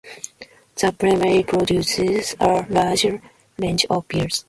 The brewery produces a large range of beers.